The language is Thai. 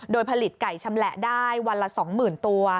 โดยผลิตไก่ชำแหละได้วันละสองหมื่นตัว